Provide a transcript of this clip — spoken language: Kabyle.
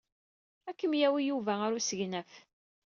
Ad kem-yawi Yuba ɣer usegnaf.